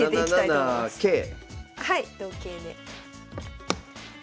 はい同桂で。